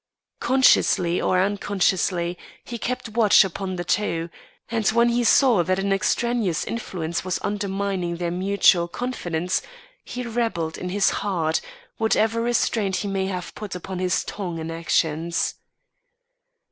Consciously or unconsciously, he kept watch upon the two; and when he saw that an extraneous influence was undermining their mutual confidence, he rebelled in his heart, whatever restraint he may have put upon his tongue and actions.